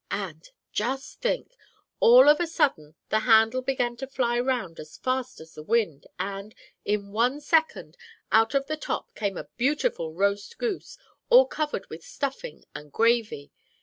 And, just think! all of a sudden, the handle began to fly round as fast as the wind, and, in one second, out of the top came a beautiful roast goose, all covered with stuffing and gravy.